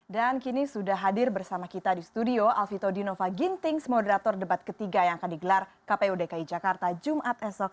dan kini sudah hadir bersama kita di studio alvito dinova gintings moderator debat ketiga yang akan digelar kpudki jakarta jumat esok